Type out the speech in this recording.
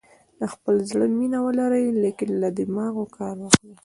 د خپل زړه مینه ولرئ لیکن له دماغو کار واخلئ.